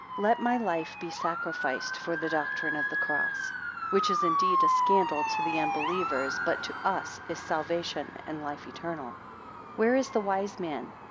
7 Let my life be sacrificed for the doctrine of the cross; which is indeed a scandal to the unbelievers, but to us is salvation and life eternal. 8 Where is the wise man?